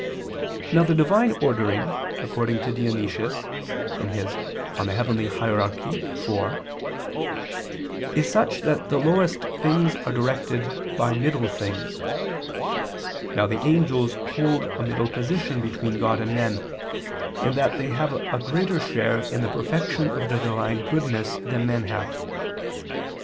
Now the Divine ordering, according to Dionysius [*Coel. Hier. iv; Eccl. Hier. v], is such that the lowest things are directed by middle things. Now the angels hold a middle position between God and men, in that they have a greater share in the perfection of the Divine goodness than men have.